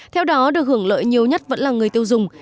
theo đó được hưởng lợi nhiều nhất vẫn là người tiêu dùng